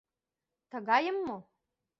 — Тыгайым мо?